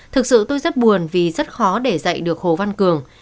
thực sự tôi rất buồn vì rất khó để dạy được hồ văn cường